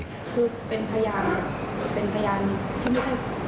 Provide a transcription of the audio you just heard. คือเป็นพยานเป็นพยานที่ไม่ใช่